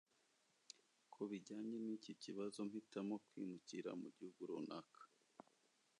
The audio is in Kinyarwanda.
Ku bijyanye niki kibazo mpitamo kwimukira mu gihugu runaka